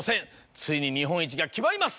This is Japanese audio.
ついに日本一が決まります。